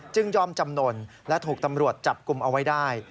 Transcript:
ยอมจำนวนและถูกตำรวจจับกลุ่มเอาไว้ได้